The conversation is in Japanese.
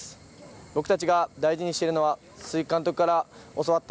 僕たちが大事にしているのは鈴木監督から教わった